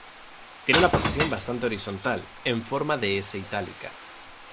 Tiene una posición bastante horizontal, en forma de S itálica.